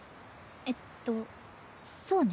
えっとそうね。